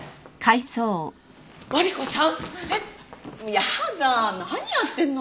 やだあ何やってるの！？